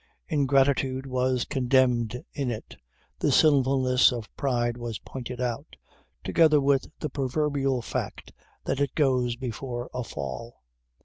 Ingratitude was condemned in it, the sinfulness of pride was pointed out together with the proverbial fact that it "goes before a fall."